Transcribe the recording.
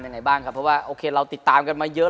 ไหนบ้างครับเพราะว่าโอเคเราติดตามกันมาเยอะ